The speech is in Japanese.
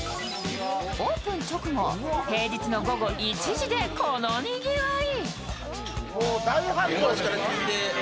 オープン直後、平日の午後１時でこのにぎわい。